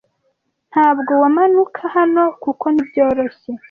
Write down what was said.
ntabwo wamanuka hano kuko ntibyoroshye